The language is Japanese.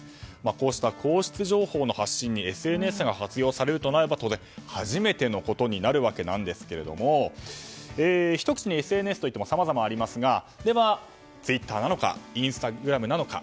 こうした皇室情報の発信にＳＮＳが活用されるとなれば当然初めてのことになりますがひと口にＳＮＳといってもさまざまありますがでは、ツイッターなのかインスタグラムなのか。